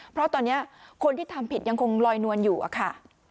เพราะตอนนี้คนที่ทำผิดยังคงลอยนวลอยู่อะค่ะ